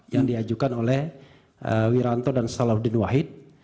yang diajukan oleh wiranto dan salahuddin wahid